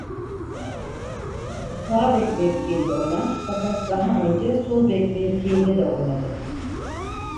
Sağ bek mevkiinde oynar fakat daha önce Sol bek mevkiinde de oynadı.